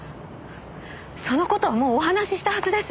その事はもうお話ししたはずです。